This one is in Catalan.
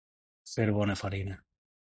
Fer bona farina.